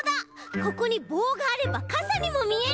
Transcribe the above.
ここにぼうがあればかさにもみえる。